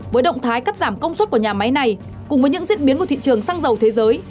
với động thái cắt giảm công suất của nhà máy này cùng với những diễn biến của thị trường xăng dầu thế giới